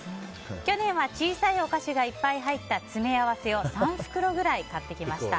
去年は小さいお菓子がいっぱい入った詰め合わせを３袋ぐらい買ってきました。